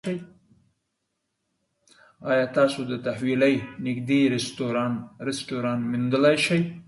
ایا تاسو د تحویلۍ نږدې رستورانت موندلی شئ؟